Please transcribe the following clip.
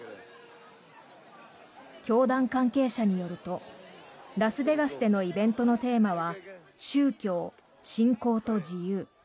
教団関係者によるとラスベガスでのイベントのテーマは「宗教・信仰と自由」。